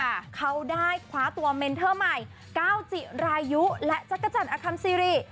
เขาได้คว้าตัวเมนเทอร์ใหม่ก้าวจิรายุและจักรจันทร์อคัมซีรี